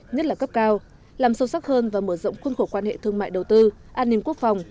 nhất là cấp cao làm sâu sắc hơn và mở rộng khuôn khổ quan hệ thương mại đầu tư an ninh quốc phòng